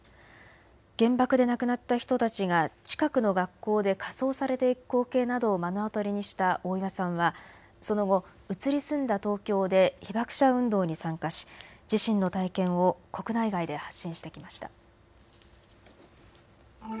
原爆で亡くなった人たちが近くの学校で火葬されていく光景などを目の当たりにした大岩さんは、その後移り住んだ東京で被爆者運動に参加し自身の体験を国内外で発信してきました。